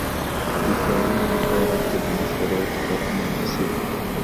د ښارونو لپاره طبیعي شرایط خورا مناسب دي.